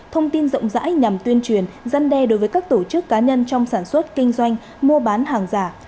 thông tin rộng rãi nhằm tuyên truyền gian đe đối với các tổ chức cá nhân trong sản xuất kinh doanh mua bán hàng giả